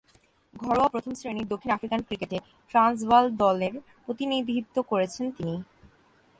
ঘরোয়া প্রথম-শ্রেণীর দক্ষিণ আফ্রিকান ক্রিকেটে ট্রান্সভাল দলের প্রতিনিধিত্ব করেছেন তিনি।